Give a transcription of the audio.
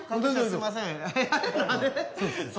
すいません。